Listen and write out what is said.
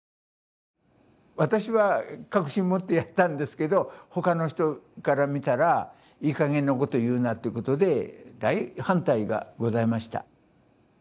私は確信持ってやったんですけど他の人から見たらいいかげんなことを言うなってことで大反対がございました。